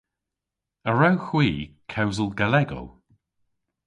A wrewgh hwi kewsel Gallego?